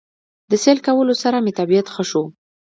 د سېل کولو سره مې طبعيت ښه شو